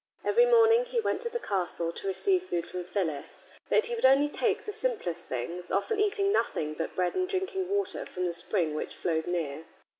Every morning he went to the castle to receive food from Phyllis. But he would only take the simplest things, often eating nothing but bread and drinking water from the spring which flowed near.